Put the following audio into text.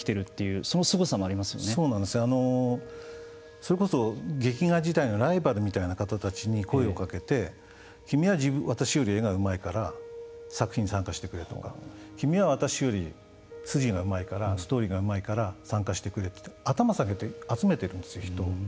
それこそ劇画時代のライバルみたいな方たちに声をかけて君は私より絵がうまいから作品に参加してくれとか君は私より筋がうまいからストーリーがうまいから参加してくれって頭を下げて集めているんですよ人を。